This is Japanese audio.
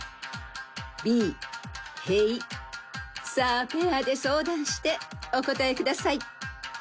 ［さあペアで相談してお答えください］